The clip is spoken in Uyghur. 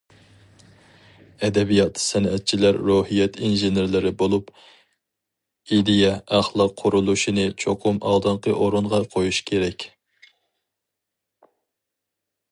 ئەدەبىيات- سەنئەتچىلەر روھىيەت ئىنژېنېرلىرى بولۇپ، ئىدىيە- ئەخلاق قۇرۇلۇشىنى چوقۇم ئالدىنقى ئورۇنغا قويۇش كېرەك.